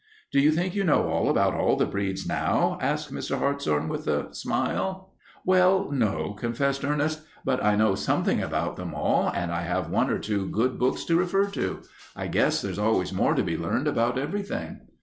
"Do you think you know all about all the breeds now?" asked Mr. Hartshorn, with a smile. "Well, no," confessed Ernest, "but I know something about them all, and I have one or two good books to refer to. I guess there's always more to be learned about everything."